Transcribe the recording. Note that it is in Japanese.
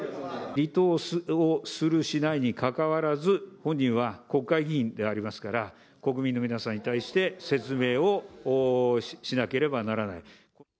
離党をするしないにかかわらず、本人は国会議員でありますから、国民の皆さんに対して、説明をしなければならない。